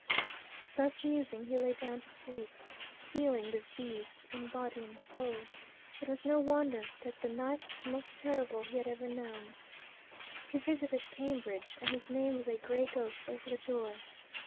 Thus musing he lay down to sleep, feeling diseased in body and soul. It was no wonder that the night was the most terrible he had ever known. He revisited Cambridge, and his name was a grey ghost over the door.